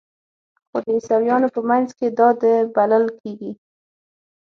خو د عیسویانو په منځ کې دا د بلل کیږي.